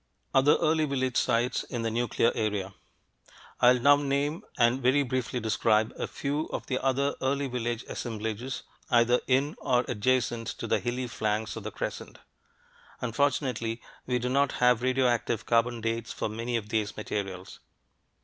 OTHER EARLY VILLAGE SITES IN THE NUCLEAR AREA I'll now name and very briefly describe a few of the other early village assemblages either in or adjacent to the hilly flanks of the crescent. Unfortunately, we do not have radioactive carbon dates for many of these materials.